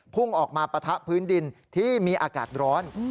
พุ่งออกมาปะทะพื้นดินที่มีอากาศร้อน